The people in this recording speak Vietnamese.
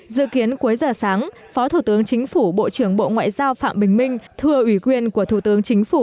dự kiến cuối giờ sáng phó thủ tướng chính phủ bộ trưởng bộ ngoại giao phạm bình minh thừa ủy quyền của thủ tướng chính phủ